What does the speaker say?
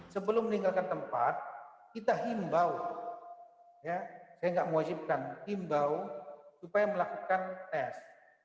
sebelum meninggalkan tempat kita himbau saya tidak mewajibkan himbau supaya melakukan tes